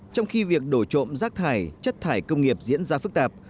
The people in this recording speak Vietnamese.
trong khi việc đổ trộm rác thải chất thải công nghiệp diễn ra phức tạp